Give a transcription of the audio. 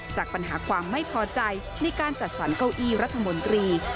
จากปัญหาความไม่พอใจในการจัดสรรเก้าอี้รัฐมนตรี